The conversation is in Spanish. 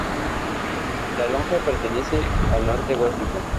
La lonja pertenece al arte Gótico.